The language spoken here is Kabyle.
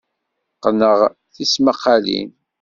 Qqneɣ tismaqqalin.